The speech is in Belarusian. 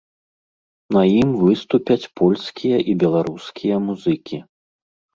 На ім выступяць польскія і беларускія музыкі.